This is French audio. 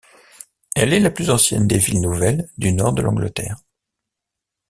Elle est la plus ancienne des villes nouvelles du nord de l'Angleterre.